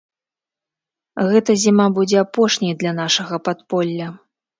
Гэта зіма будзе апошняй для нашага падполля.